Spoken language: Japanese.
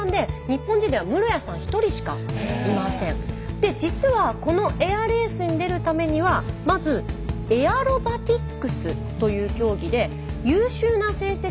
⁉で実はこのエアレースに出るためにはまずエアロバティックスという競技で優秀な成績を収めないといけないんです。